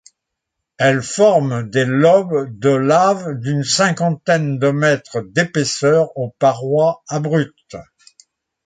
Elles forment des lobes de lave d'une cinquantaine de mètres d'épaisseur aux parois abruptes.